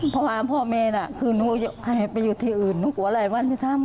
เพราะว่าพ่อแม่น่ะคือหนูให้ไปอยู่ที่อื่นหนูกลัวหลายวันที่ทำ